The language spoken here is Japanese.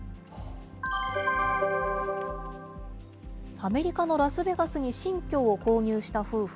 アメリカのラスベガスに新居を購入した夫婦。